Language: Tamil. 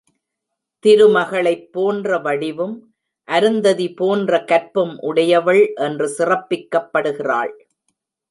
திருமகளைப் போன்ற வடிவும், அருந்ததி போன்ற கற்பும் உடையவள் என்று சிறப்பிக்கப்படுகிறாள்.